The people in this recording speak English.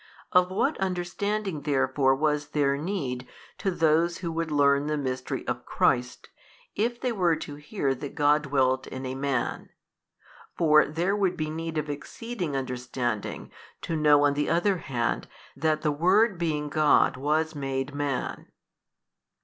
Of what understanding therefore was there need to those who would learn the Mystery of Christ, if they were to hear that God dwelt in a man? for there would be need of exceeding understanding to know on the other hand that the Word being God was made Man.